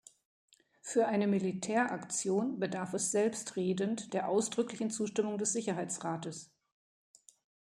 Für eine Militäraktion bedarf es selbstredend der ausdrücklichen Zustimmung des Sicherheitsrates.